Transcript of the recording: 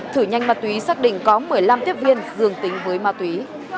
thử nhanh ma túy xác định có một mươi năm tiếp viên dương tính với ma túy